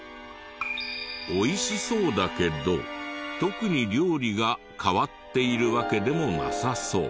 美味しそうだけど特に料理が変わっているわけでもなさそう。